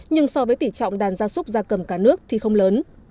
nhưng so với tỷ trọng đàn gia súc gia cầm cả nước thì không lớn